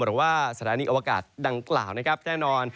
หรือว่าสถานีอวกาศดังกล่าวนะครับแน่นอน